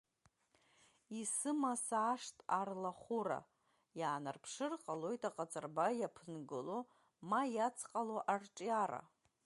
Исыма саашт арлахәыра иаанарԥшыр ҟалоит аҟаҵарба иаԥынгылоу ма иацҟало арҿиара.